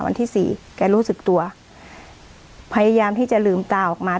วันที่สี่แกรู้สึกตัวพยายามที่จะลืมตาออกมา